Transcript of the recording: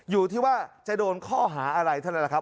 อยู่ที่ว่าจะโดนข้อหาอะไรเท่านั้นแหละครับ